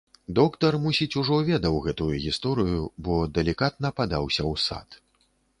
Доктар, мусіць, ужо ведаў гэтую гісторыю, бо далікатна падаўся ў сад.